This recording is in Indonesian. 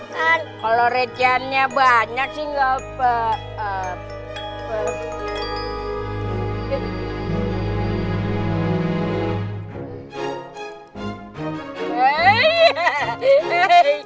kalau rejanya banyak sih nggak apa apa